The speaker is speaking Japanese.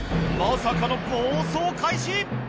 まさかの暴走開始！